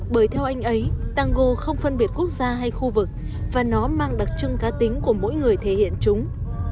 bởi theo anh ấy tango không phân biệt quốc gia hay khu vực và nó mang đặc trưng cá tính của mỗi người thể hiện chúng